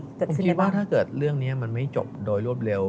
แต่คิดว่าถ้าเกิดเรื่องนี้มันไม่จบโดยรวดเร็ว